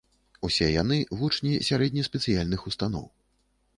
Усе яны вучні сярэдне-спецыяльных устаноў.